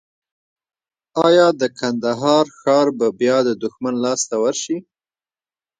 ایا د کندهار ښار به بیا د دښمن لاس ته ورشي؟